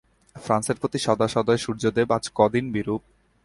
ফ্রান্সের প্রতি সদা সদয় সূর্যদেব আজ ক-দিন বিরূপ।